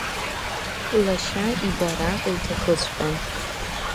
Лашьа ибара лҭахыҵәҟьан.